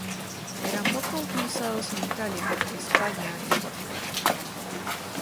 Eran poco utilizados en Italia, España y Portugal.